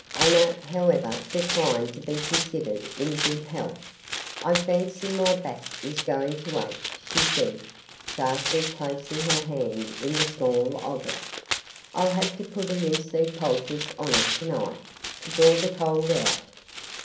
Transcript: Anna, however, declined to be considered in good health. 'I fancy my back is going to ache,' she said, darkly placing her hand in the small of it. 'I'll have to put a linseed poultice on it tonight, to draw the cold out.